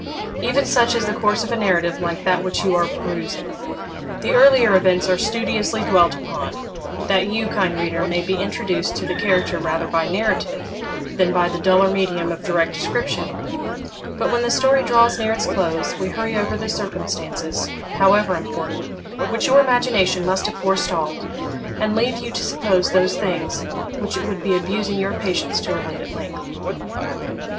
Even such is the course of a narrative like that which you are perusing. The earlier events are studiously dwelt upon, that you, kind reader, may be introduced to the character rather by narrative than by the duller medium of direct description; but when the story draws near its close, we hurry over the circumstances, however important, which your imagination must have forestalled, and leave you to suppose those things which it would be abusing your patience to relate at length.